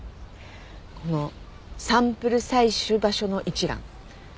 このサンプル採取場所の一覧。